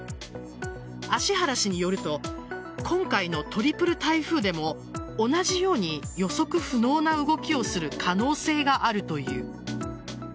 芦原氏によると今回のトリプル台風でも同じように予測不能な動きをする可能性があるという。